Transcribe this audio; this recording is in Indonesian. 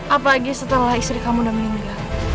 apalagi setelah istri kamu meninggal